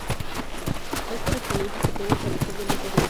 Tal correspondencia se puede establecer de muchas maneras.